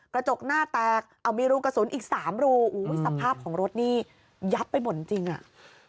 กระจกหน้าแตกเอามีรูกระสุนอีกสามรูอุ้ยสภาพของรถนี่ยับไปหมดจริงอ่ะ